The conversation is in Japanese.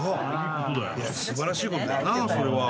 素晴らしいことだよな。